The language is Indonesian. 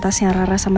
lu dia yang sama gue